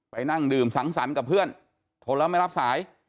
นั่งดื่มสังสรรค์กับเพื่อนทนแล้วไม่รับสาย